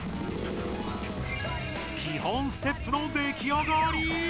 基本ステップのできあがり！